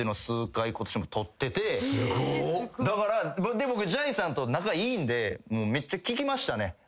で僕じゃいさんと仲いいんでめっちゃ聞きましたね。